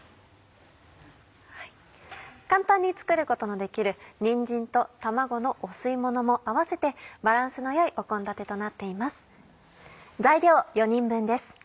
簡単に作ることのできるにんじんと卵のお吸い物も合わせてバランスの良いお献立となっています。